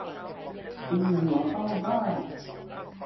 ตีหัวเข้าบ้าน